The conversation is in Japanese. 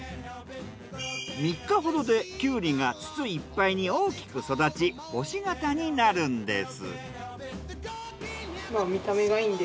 ３日ほどでキュウリが筒いっぱいに大きく育ち星形になるんです。